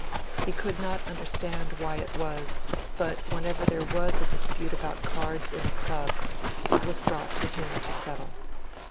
He could not understand why it was; but whenever there was a dispute about cards in a club, it was brought to him to settle.